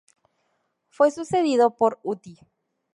Fue sucedido por Uti.